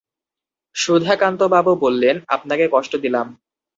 সুধাকান্তবাবু বললেন, আপনাকে কষ্ট দিলাম।